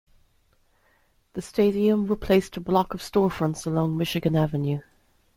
The stadium replaced a block of storefronts along Michigan Avenue.